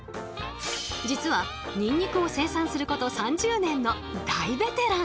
実はニンニクを生産すること３０年の大ベテラン！